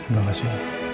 terima kasih do